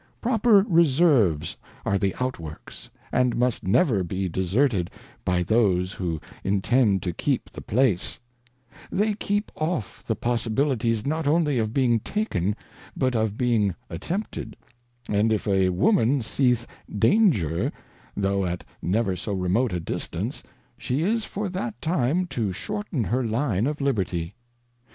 Proper Reserves are the Outworks, and must never be deserted by those who intend to keep the Place ; they keep off the possibilities not only of being taken, but of being attempted; and if a Woman seeth Danger, tho at never so remote a Distance, she is for that time to shorten her Line of Liberty.